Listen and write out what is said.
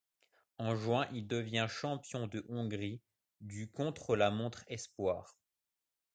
En juin, il devient champion de Hongrie du contre-la-montre espoirs.